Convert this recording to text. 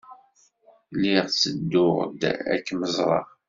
Lliɣ tedduɣ-d ad kem-ẓreɣ.